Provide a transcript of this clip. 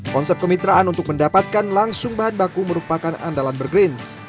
konsep kemitraan untuk mendapatkan langsung bahan baku merupakan andalan burgrins